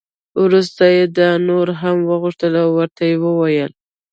وروسته یې دا نور هم وغوښتل او ورته یې وویل.